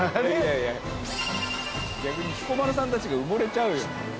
逆に彦摩呂さんたちが埋もれちゃうよ。